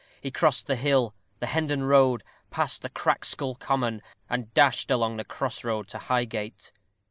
He crossed the hill the Hendon Road passed Crackskull Common and dashed along the cross road to Highgate.